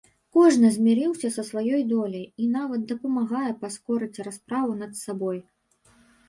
Кожны змірыўся са сваёй доляй і нават дапамагае паскорыць расправу над сабой.